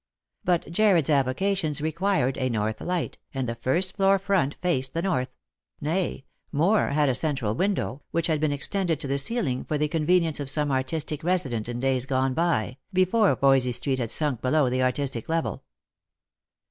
But Jarred's avocations required a north light, and the first floor front faced the north — nay, more, had a central window, which had been extended to the ceiling for the convenience of some artistic resident in days gone by, before Voysey street had sunk below the artistic level.